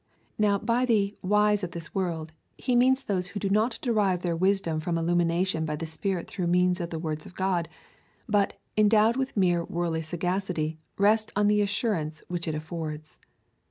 Now, by the wise of this world, he means those who do not derive their wisdom from illumination by the Spirit through means of the word of God, but, endowed with mere worldly sagacity, rest on the assurance which it aifords.